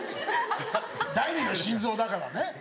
第二の心臓だからね。